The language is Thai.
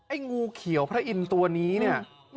งูเขียวพระอินทร์ตัวนี้เนี่ย